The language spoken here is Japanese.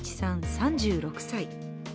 ３６歳。